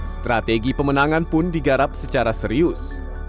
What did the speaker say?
strategi pemenangan pun digarap secara serius